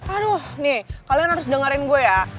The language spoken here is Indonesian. aduh nih kalian harus dengerin gue ya